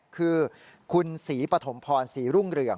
คือคุณศรีปฐมพรศรีรุ่งเรือง